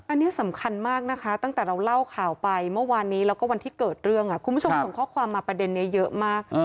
อันนี้สำคัญมากนะคะตั้งแต่เราเล่าข่าวไปเมื่อวานนี้แล้วก็วันที่เกิดเรื่องคุณผู้ชมส่งข้อความมาประเด็นนี้เยอะมาก